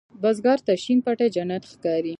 بزګر ته شین پټی جنت ښکاري